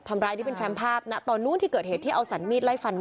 ร้ายนี่เป็นแชมป์ภาพนะตอนนู้นที่เกิดเหตุที่เอาสันมีดไล่ฟันแม่